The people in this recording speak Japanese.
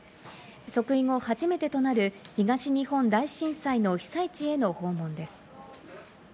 即位後初めてとなる東日本大震災の被災地への訪問です。